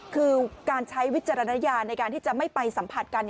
คือการใช้วิจารณญาณในการที่จะไม่ไปสัมผัสกัน